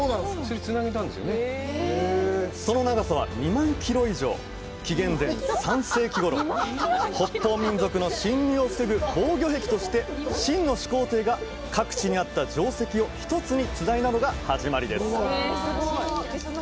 その長さは２万ｋｍ以上紀元前３世紀頃北方民族の侵入を防ぐ防御壁として秦の始皇帝が各地にあった城跡を１つにつないだのが始まりです